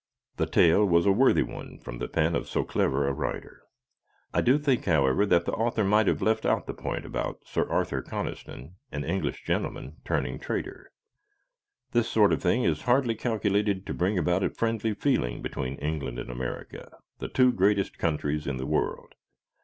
The tale was a worthy one from the pen of so clever a writer. I do think, however, that the author might have left out the point about Sir Arthur Conniston, an English gentleman, turning traitor. This sort of thing is hardly calculated to bring about a friendly feeling between England and America, the two greatest countries in the world.